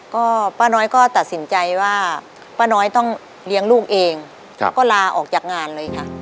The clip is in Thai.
ก็ป้าน้อยก็ตัดสินใจว่าป้าน้อยต้องเลี้ยงลูกเองก็ลาออกจากงานเลยค่ะ